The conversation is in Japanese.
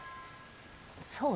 そう？